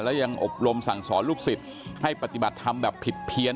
และยังอบรมสั่งสอนลูกศิษย์ให้ปฏิบัติธรรมแบบผิดเพี้ยน